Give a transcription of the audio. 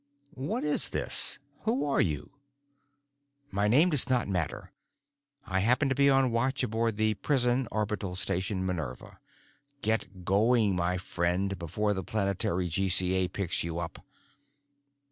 "What is this? Who are you?" "My name does not matter. I happen to be on watch aboard the prison orbital station 'Minerva.' Get going, my friend, before the planetary GCA picks you up."